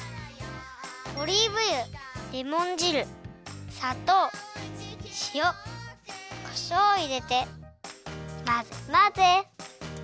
オリーブ油レモン汁さとうしおこしょうをいれてまぜまぜ！